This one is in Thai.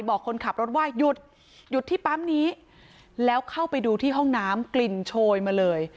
คนขับรถว่าหยุดหยุดที่ปั๊มนี้แล้วเข้าไปดูที่ห้องน้ำกลิ่นโชยมาเลย